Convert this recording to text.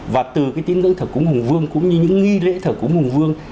và từ cái tín ngưỡng thở cúng hùng vương cũng như những nghi lễ thở cúng hùng vương